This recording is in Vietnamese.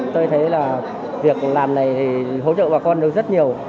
tôi thấy là việc làm này thì hỗ trợ bà con được rất nhiều